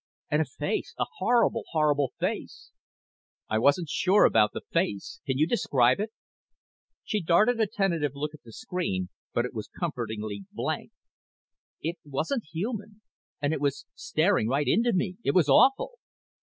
"And a face! A horrible, horrible face." "I wasn't sure about the face. Can you describe it?" She darted a tentative look at the screen but it was comfortingly blank. "It wasn't human. And it was staring right into me. It was awful!"